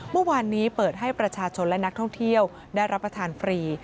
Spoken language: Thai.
เมื่อวานนี้เปิดให้ประชาชนและนักท่องเที่ยวได้รับประทานฟรี